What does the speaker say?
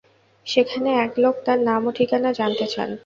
সেখানে এক লোক তাঁর নাম ও ঠিকানা জানতে চান।